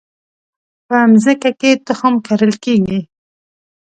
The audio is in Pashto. په مځکه کې تخم کرل کیږي